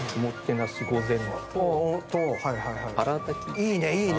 いいねいいね。